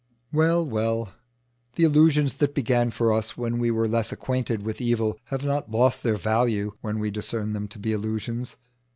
Well, well, the illusions that began for us when we were less acquainted with evil have not lost their value when we discern them to be illusions.